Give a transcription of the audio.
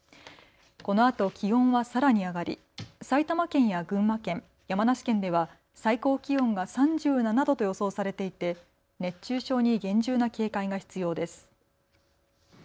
このあと気温はさらに上がり埼玉県や群馬県、山梨県では最高気温が３７度と予想されていて熱中症に厳重な警戒が必要です。